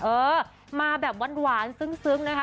เออมาแบบหวานซึ้งนะคะ